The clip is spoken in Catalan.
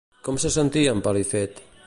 Com se sentia en Pelifet?